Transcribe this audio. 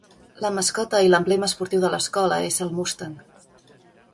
La mascota i l'emblema esportiu de l'escola és el mustang.